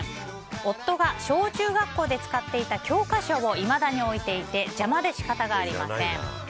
夫が小中学校で使っていた教科書をいまだに置いていて邪魔で仕方がありません。